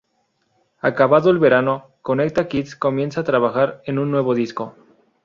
Acabado el verano, Conecta Kids comienza a trabajar en un nuevo disco.